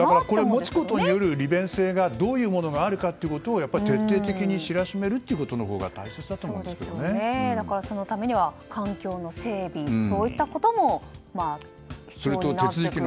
持つことの利便性にどういうことがあるのかを徹底的に知らしめるということのほうがだからそのためには環境の整備といったことも必要になってくる。